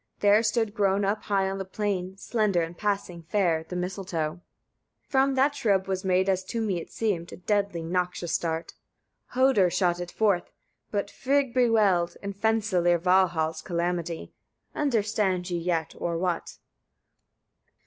There stood grown up, high on the plain, slender and passing fair, the mistletoe. 37. From that shrub was made, as to me it seemed, a deadly, noxious dart. Hödr shot it forth; but Frigg bewailed, in Fensalir, Valhall's calamity. Understand ye yet, or what?